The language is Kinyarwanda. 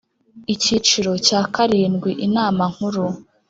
Icyiciro cya karindwi Inama Nkuru